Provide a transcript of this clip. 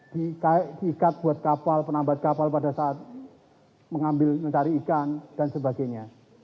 diikat buat kapal penambat kapal pada saat mengambil mencari ikan dan sebagainya